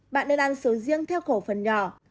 bạn nên ăn sầu riêng theo khổ phần nhỏ